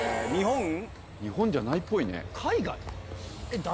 日本じゃないっぽいね。